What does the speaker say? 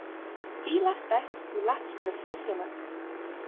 "] He laughs best who laughs with a full stomach.